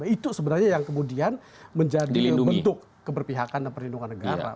itu sebenarnya yang kemudian menjadi bentuk keberpihakan dan perlindungan negara